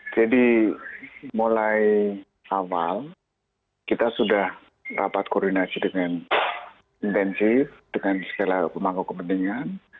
jadi mulai awal kita sudah rapat koordinasi dengan intensif dengan segala pemangku kepentingan